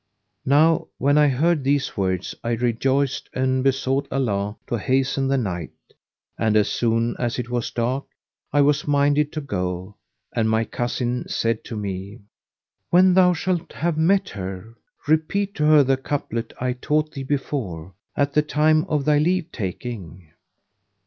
Now when I heard these words I rejoiced and besought Allah to hasten the night; and, as soon as it was dark, I was minded to go, and my cousin said to me, "When thou shalt have met her, repeat to her the couplet I taught thee before, at the time of thy leave taking."